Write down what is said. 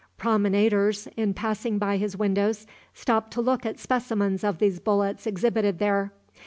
Promenaders, in passing by his windows, stop to look at specimens of these bullets exhibited there.